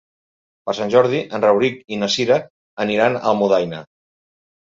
Per Sant Jordi en Rauric i na Cira aniran a Almudaina.